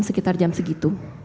sekitar jam segitu